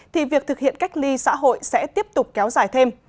thì việc thực hiện cách ly xã hội sẽ tiếp tục kéo dài thêm